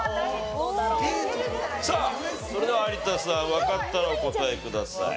さあそれでは有田さんわかったらお答えください。